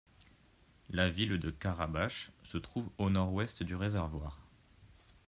La ville de Karabach se trouve au nord-ouest du réservoir.